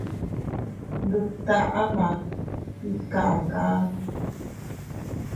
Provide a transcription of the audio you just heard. Nduttaʼa ma ikaka.